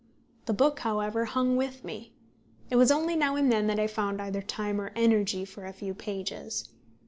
The book, however, hung with me. It was only now and then that I found either time or energy for a few pages.